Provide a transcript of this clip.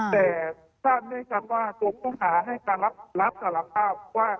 แต่จ้าดไม่ทราบว่าคุณผู้ค้าให้ลัพษณ์การรับสารภาพว่า